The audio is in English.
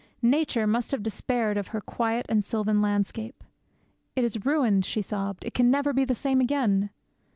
Nature must have despaired of her quiet and sylvan landscape. 'It is ruined,' she sobbed; 'it can never be the same again!'